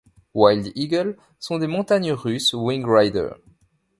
Wild Eagle sont des montagnes russes Wing Rider.